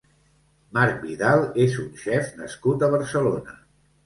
Marc Vidal és un xef nascut a Barcelona.